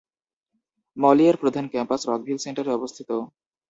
মলিয়ের প্রধান campus Rockville সেন্টারে অবস্থিত।